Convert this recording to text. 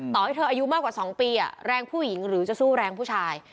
ต่อให้เธออายุมากกว่า๒ปีแรงผู้หญิงหรือจะสู้แรงผู้ชาย